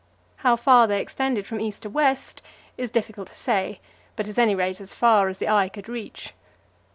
How far they extended from east to west it is difficult to say, but at any rate as far as the eye could reach.